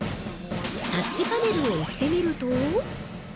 ◆タッチパネルを押してみると。